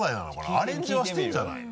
アレンジはしてるんじゃないの？